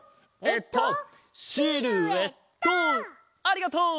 ありがとう！